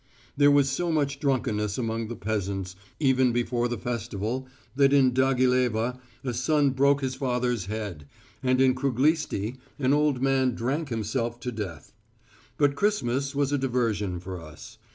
There was so much drunkenness among the peasants, even before the festival, that in Dagileva a son broke his father's head, and in Kruglitsi an old man drank himself to death. But Christmas was a diversion for us.